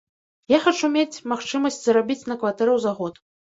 Я хачу мець магчымасць зарабіць на кватэру за год.